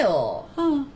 うん。